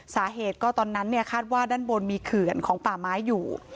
สาเหตุก็ตอนนั้นเนี่ยคาดว่าด้านบนมีเขื่อนของป่าไม้อยู่